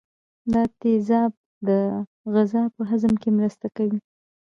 دا تیزاب د غذا په هضم کې مرسته کوي.